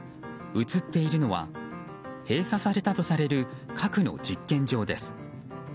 写っているのは閉鎖されたとされる核の実験場です。